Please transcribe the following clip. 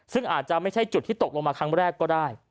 ซึ่งอาจจะไม่ใช่จุดที่ตกลงมาครั้งแรกก็ได้